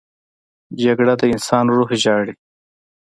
جګړه د انسان روح ژاړي